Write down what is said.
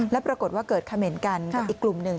แล้วปรากฏว่าเกิดเขม่นกันกับอีกกลุ่มหนึ่ง